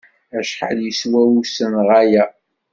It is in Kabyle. Acḥal yeswa usenɣay-a?